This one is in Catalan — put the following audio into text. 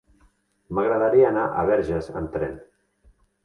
M'agradaria anar a Verges amb tren.